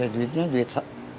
ya duitnya duit sirsak